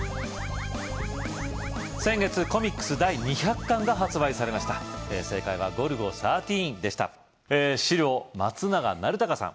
先月コミックス第２００巻が発売されました正解はゴルゴ１３でした白・松永成高さん